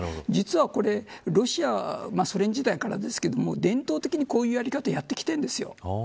実は、ロシアはソ連時代からですけれども伝統的にこういうやり方をやってきているんです。